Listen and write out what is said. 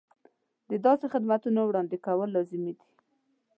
د داسې خدمتونو وړاندې کول لازمي دي.